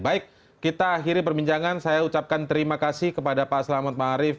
baik kita akhiri perbincangan saya ucapkan terima kasih kepada pak selamat ma'arif